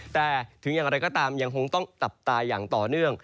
แต่ถึงอย่างไรก็ตามยังคงต้องจับตาอย่างต่อเนื่อง